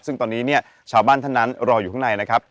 ซึ่งตอนนี้เนี่ยชาวบ้านท่านนั้นรออยู่ข้างในนะครับ